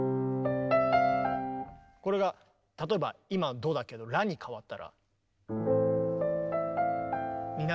これが例えば今はドだけどラに変わったら。